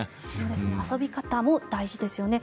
遊び方も大事ですよね。